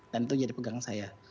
dan itu jadi pegangan saya